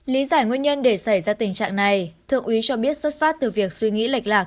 lý giải nguyên nhân để xảy ra tình trạng này thượng úy cho biết xuất phát từ việc suy nghĩ lệch lạc